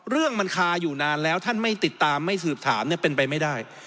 เรื่องมันคาอยู่นานแล้วท่านไม่ติดตามไม่สืบถามเป็นไปไม่ได้